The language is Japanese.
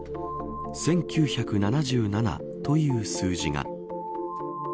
１９７７という数字が。